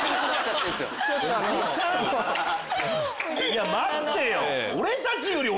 いや待ってよ！